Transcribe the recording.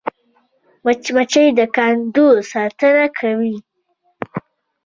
مچمچۍ د کندو ساتنه کوي